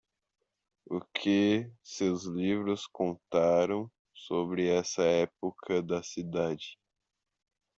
O que seus livros contaram sobre essa época da cidade?